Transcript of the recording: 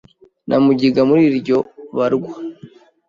na mugiga muri iryo barwa